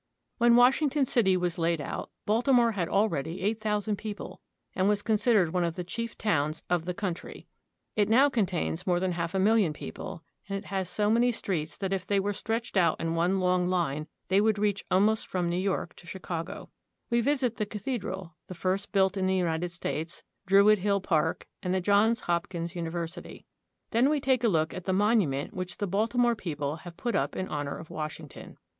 When Washington city was laid out Baltimore had al ready eight thousand people and was considered one of the chief towns of the country. It now contains more than half a million of people, and it has so many streets that if £— 4i[ii4.'. .,.'^__''','''' 'lj_xSia*l iii£= The Cathedral at Baltimore. they were stretched out in one long hne they would reach almost from New York to Chicago. We visit the cathe dral, the first built in the United States, Druid Hill Park, and the Johns Hopkins University. Then we take a look at the monument which the Baltimore people have put up in honor of Washington.